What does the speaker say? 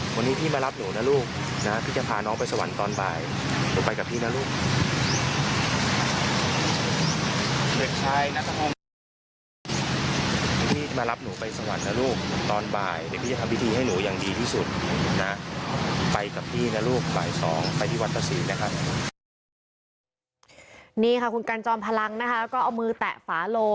คุณกัลจอมพลังนะคะแล้วก็เอามือแตะฝาโล